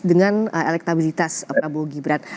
dengan elektabilitas prabowo gibran